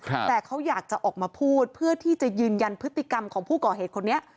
แต่เขาอยากจะออกมาพูดเพื่อที่จะยืนยันพฤติกรรมของผู้ก่อเหตุคนนี้